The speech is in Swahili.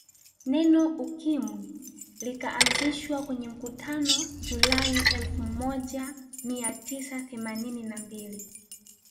Neno Ukimwi likaanzishwa kwenye mkutano Julai elfu moja ia tisa themanini na mbili